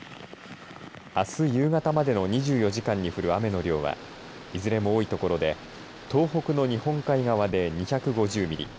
あす夕方までの２４時間に降る雨の量はいずれも多い所で東北の日本海側で２５０ミリ